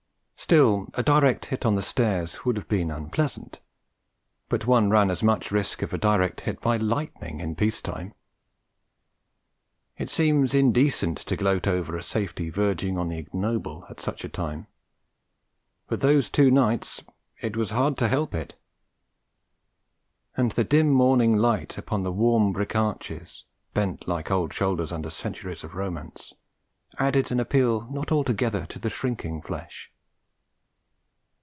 Still, a direct hit on the stairs would have been unpleasant; but one ran as much risk of a direct hit by lightning in peace time. It seems indecent to gloat over a safety verging on the ignoble at such a time; but those two nights it was hard to help it; and the dim morning light upon the warm brick arches, bent like old shoulders under centuries of romance, added an appeal not altogether to the shrinking flesh.